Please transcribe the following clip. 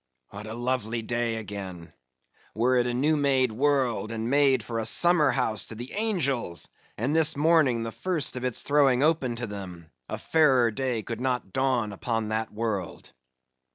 What a lovely day again! were it a new made world, and made for a summer house to the angels, and this morning the first of its throwing open to them, a fairer day could not dawn upon that world.